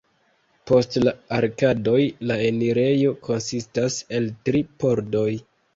Post la arkadoj la enirejo konsistas el tri pordoj.